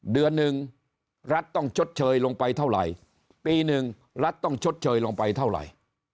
เดือนหนึ่งรัฐต้องชดเชยลงไปเท่าไหร่ปีหนึ่งรัฐต้องชดเชยลงไปเท่าไหร่